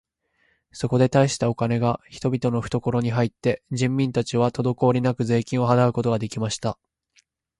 そこで大したお金が人々のふところに入って、人民たちはとどこおりなく税金を払うことが出来ました。